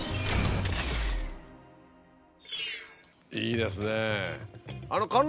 いいですね！